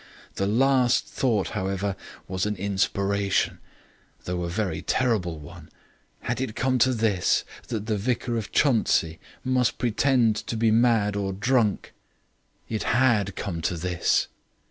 The last thought, however, was an inspiration; though a very terrible one. Had it come to this, that the Vicar of Chuntsey must pretend to be mad or drunk? It had come to this.